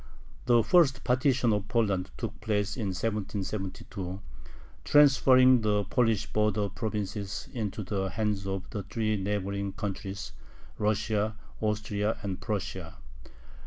The first partition of Poland took place in 1772, transferring the Polish border provinces into the hands of the three neighboring countries, Russia, Austria, and Prussia.